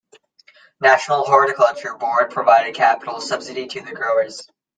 National Horticulture Board provided capital subsidy to the growers.